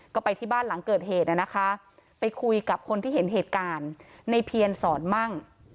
ก็ไปที่บ้านหลังเกิดเหตุนะคะไปคุยกับคนที่เห็นเหตุการณ์ในเพียรสอนมั่ง